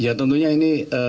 ya tentunya ini